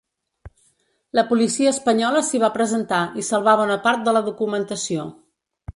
La policia espanyola s’hi va presentar i salvà bona part de la documentació.